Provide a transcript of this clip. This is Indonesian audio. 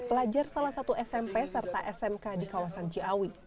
pelajar salah satu smp serta smk di kawasan ciawi